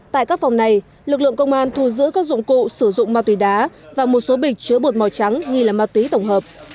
tại các phòng này lực lượng công an thu giữ các dụng cụ sử dụng ma túy đá và một số bịch chứa bột màu trắng nghi là ma túy tổng hợp